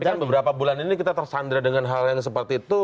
tapi kan beberapa bulan ini kita tersandra dengan hal yang seperti itu